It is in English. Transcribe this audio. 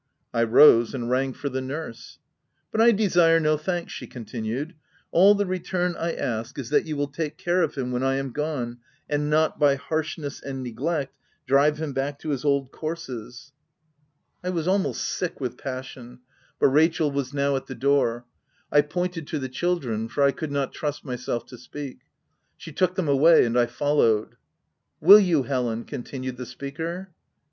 I rose, and rang for the nurse. " But I desire no thanks," she continued, " all the return I ask is, that you will take care of him when I am gone, and not, by harsh ness and neglect, drive him back to his old courses/' 326 THE TENANT I was almost sick with passion, but Rachel was now at the door : I pointed to the children, for I could not trust myself to speak : she took them away, and I followed. " Will you, Helen ?" continued the speaker.